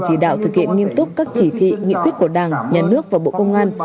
chỉ đạo thực hiện nghiêm túc các chỉ thị nghị quyết của đảng nhà nước và bộ công an